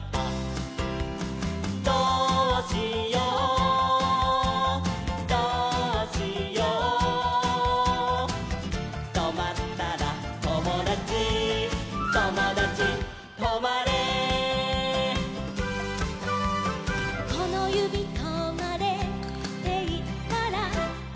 「どうしようどうしよう」「とまったらともだちともだちとまれ」「このゆびとまれっていったら」